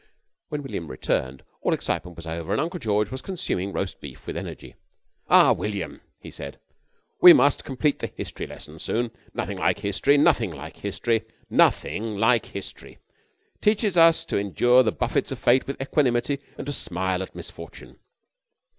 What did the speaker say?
When William returned, all excitement was over and Uncle George was consuming roast beef with energy. "Ah, William," he said, "we must complete the History lesson soon. Nothing like History. Nothing like History. Nothing like History. Teaches us to endure the buffets of fate with equanimity and to smile at misfortune.